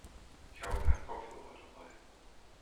Ich habe keine Kopfhörer dabei.